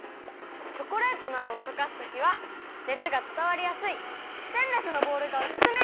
チョコレートなどをとかすときはねつがつたわりやすいステンレスのボウルがオススメ！